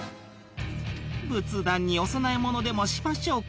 「仏壇にお供え物でもしましょうか」